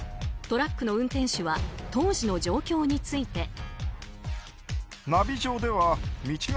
トラックの運転手は当時の状況について。